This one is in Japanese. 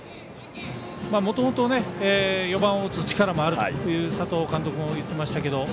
もともと４番を打つ力もあると佐藤監督も言ってましたけれども。